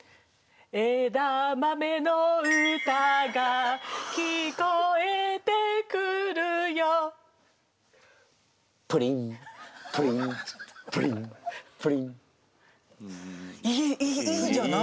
えだ豆のうたがきこえてくるよプリンプリンプリンプリンいいいいじゃない。